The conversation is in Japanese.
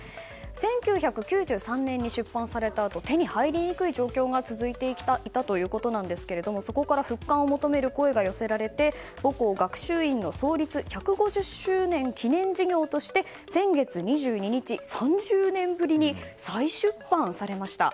１９９３年に出版されたあと手に入りにくい状況が続いていたということですがそこから復刊を求める声が寄せられて母校・学習院の創立１５０周年記念事業として先月２２日、３０年ぶりに再出版されました。